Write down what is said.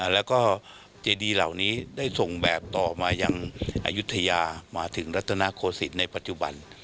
แล้วก็เจดีเหล่านี้ได้ส่งแบบต่อมายังอายุทยามาถึงรัฐนาโคศิษย์ในปัจจุบัน